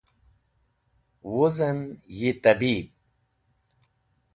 Wuzem yi Tabib.